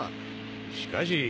しかし。